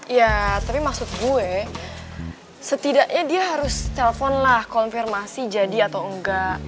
ya tapi maksud gue setidaknya dia harus telpon lah konfirmasi jadi atau enggak